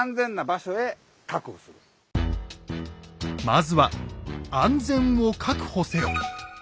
まずは「安全を確保せよ！」。